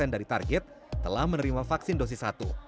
dari target telah menerima vaksin dosis satu